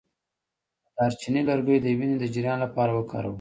د دارچینی لرګی د وینې د جریان لپاره وکاروئ